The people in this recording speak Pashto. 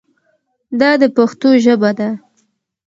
دا د پښتو ژبه ده.